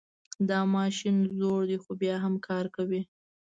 دا ماشین زوړ ده خو بیا هم کار کوي